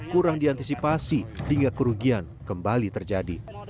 kurang diantisipasi hingga kerugian kembali terjadi